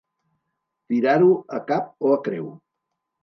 Tirar-ho a cap o a creu.